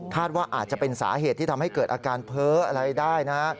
ว่าอาจจะเป็นสาเหตุที่ทำให้เกิดอาการเพ้ออะไรได้นะ